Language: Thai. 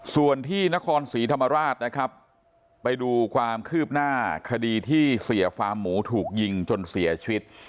ส่วนที่นครศรีธรรมราชนะครับไปดูความคืบหน้าคดีที่เสียฟาร์มหมูถูกยิงจนเสียชีวิต